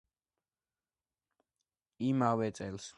იმავე წელს გახდა გალაკტიონ ტაბიძის სახელობის პრემიის ლაურეატი.